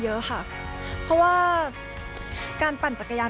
เพราะว่าการปั่นจักรยาน